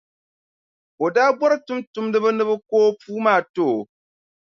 O daa bɔri tumtumdiba ni bɛ ko o puu maa n-ti o.